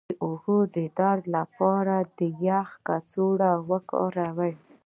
د اوږې د درد لپاره د یخ کڅوړه وکاروئ